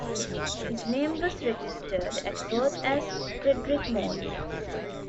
His name was registered at birth as Frederic Morley.